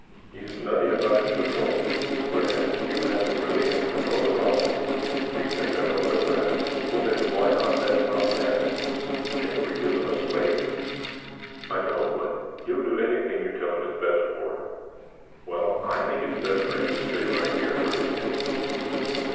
He's nutty about his patrol, whereas you haven't really any patrol at all." "Do you think I don't know that?" "Well, then, why not let Tom have him?" "Jeffrey isn't a slave." "I know, but he'll do anything you tell him is best for him." "Well, I think it's best for him to stay right here where he is."